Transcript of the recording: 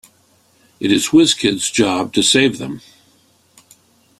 It is Wizkid's job to save them.